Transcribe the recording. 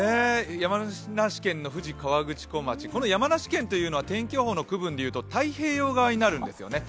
山梨県の富士河口湖町、山梨県は天気予報の区分でいうと太平洋側になるんですよね。